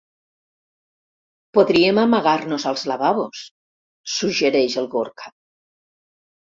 Podríem amagar-nos als lavabos —suggereix el Gorka—.